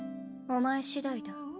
お前しだいだ。